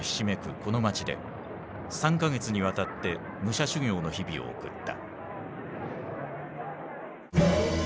この街で３か月にわたって武者修行の日々を送った。